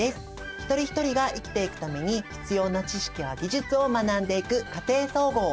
一人一人が生きていくために必要な知識や技術を学んでいく「家庭総合」。